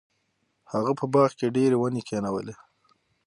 هغه په باغ کې ډیرې ونې کینولې.